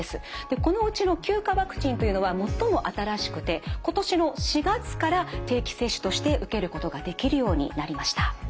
このうちの９価ワクチンというのは最も新しくて今年の４月から定期接種として受けることができるようになりました。